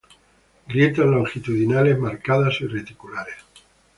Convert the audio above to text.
Grietas longitudinales marcadas y reticulares.